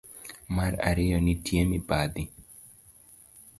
Mar ariyo, nitie mibadhi.